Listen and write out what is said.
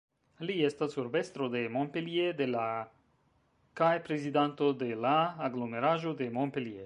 Li estas urbestro de Montpellier de la kaj prezidanto de la Aglomeraĵo de Montpellier.